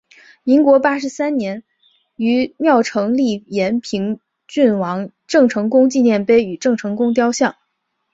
民国八十三年于庙埕立延平郡王郑成功纪念碑与郑成功雕像。